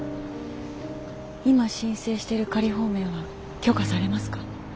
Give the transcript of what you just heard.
今申請してる仮放免は許可されますか？